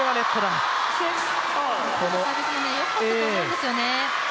サービス、よかったと思うんですよね。